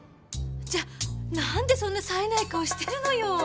じゃあなんでそんな冴えない顔してるのよ。